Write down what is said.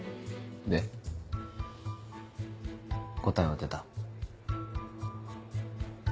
で答えは出た？